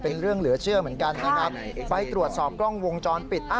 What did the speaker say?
เป็นเรื่องเหลือเชื่อเหมือนกันนะครับไปตรวจสอบกล้องวงจรปิด